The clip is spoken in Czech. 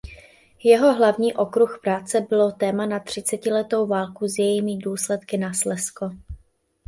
Jeho hlavní okruh práce bylo téma na třicetiletou válku s jejími důsledky na Slezsko.